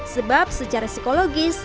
sebab secara psikologis